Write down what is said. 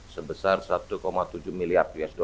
sebesar satu tujuh miliar usd